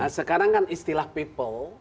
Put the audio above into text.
sekarang kan istilah people